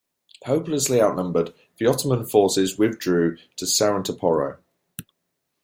Hopelessly outnumbered, the Ottoman forces withdrew to Sarantaporo.